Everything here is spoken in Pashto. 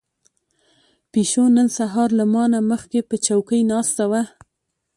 پيشو نن سهار له ما نه مخکې په چوکۍ ناسته وه.